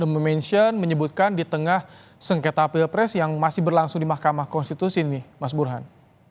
mention menyebutkan di tengah sengketa pilpres yang masih berlangsung di mahkamah konstitusi ini mas burhan